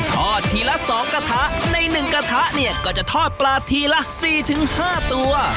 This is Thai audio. ทอดทีละสองกระทะในหนึ่งกระทะเนี่ยก็จะทอดปลาทีละสี่ถึงห้าตัว